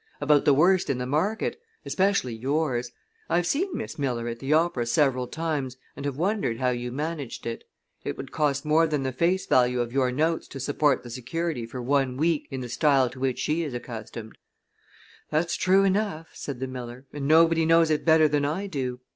About the worst in the market. Especially yours. I've seen Miss Miller at the opera several times and have wondered how you managed it. It would cost more than the face value of your notes to support the security for one week in the style to which she is accustomed." "That's true enough," said the miller, "and nobody knows it better than I do.